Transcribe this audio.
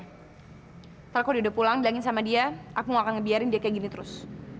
kalau aku udah pulang bilangin sama dia aku mau akan ngebiarin dia kayak gini terus